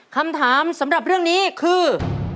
คำถามสำหรับเรื่องนี้คือ